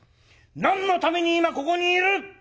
何のために今ここにいる？